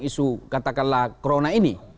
isu katakanlah corona ini